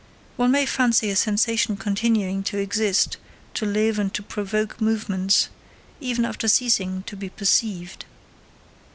One may fancy a sensation continuing to exist, to live and to provoke movements, even after ceasing to be perceived.